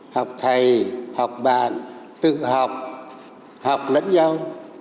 học thầy học bạn tự học học lẫn nhau